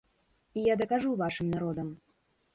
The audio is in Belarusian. І я дакажу вашым народам!